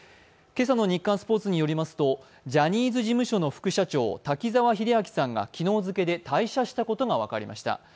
今朝の日刊スポーツによりますと、ジャニーズ事務所の副社長、滝沢秀明さんが昨日付で退社したことが分かりました。